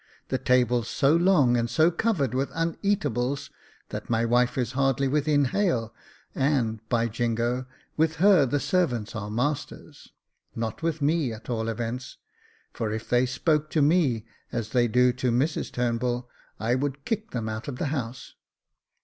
The table's so long, and so covered with uneatables that my wife is hardly within hail ; and, by jingo, with her the servants are masters. Not with me, at all events j for if they spoke 136 Jacob Faithful to me as they do to Mrs Turnbull, I would kick them out of the house.